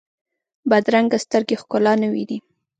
بدرنګه سترګې ښکلا نه ویني